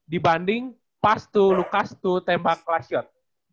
dibanding pass to lucas to tembak last shot